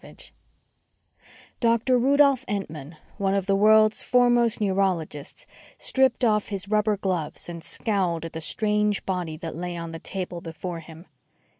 4 Dr. Rudolph Entman, one of the world's foremost neurologists, stripped off his rubber gloves and scowled at the strange body that lay on the table before him.